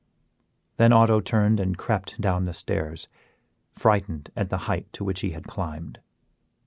Then Otto turned and crept down the stairs, frightened at the height to which he had climbed.